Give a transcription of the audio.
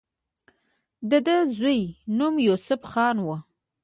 د دۀ د زوي نوم يوسف خان وۀ